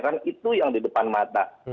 karena itu yang di depan mata